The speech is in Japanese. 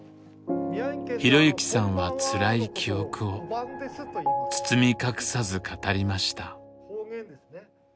浩行さんはつらい記憶を包み隠さず語りました。